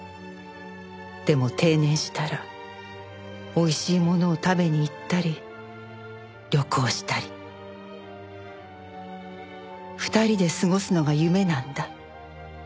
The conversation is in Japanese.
「でも定年したらおいしいものを食べにいったり旅行したり二人で過ごすのが夢なんだ」